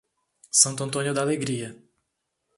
Santo Antônio da Alegria